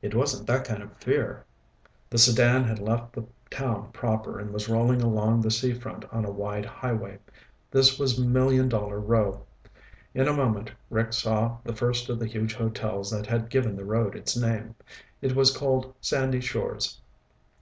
"It wasn't that kind of fear." The sedan had left the town proper and was rolling along the sea front on a wide highway. This was Million Dollar Row. In a moment Rick saw the first of the huge hotels that had given the road its name. It was called Sandy Shores.